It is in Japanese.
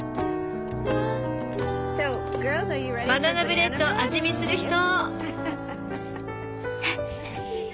バナナブレッド味見する人？